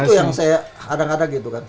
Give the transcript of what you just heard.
itu yang saya kadang kadang gitu kan